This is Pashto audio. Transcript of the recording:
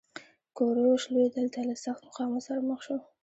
کوروش لوی دلته له سخت مقاومت سره مخ شو